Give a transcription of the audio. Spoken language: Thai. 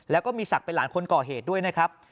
แล้วก็มีศักดิ์เป็นหลานคนก่อเหตุด้วยนะครับ